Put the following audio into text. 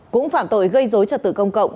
cũng phạm tội gây dối trật tự công cộng